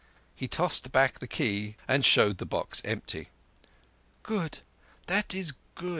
He tossed back the key and showed the box empty. "Good. That is good.